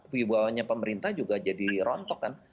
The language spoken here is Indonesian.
wibawanya pemerintah juga jadi rontok kan